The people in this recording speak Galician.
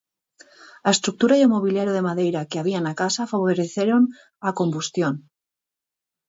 A estrutura e o mobiliario de madeira que había na casa favoreceron a combustión.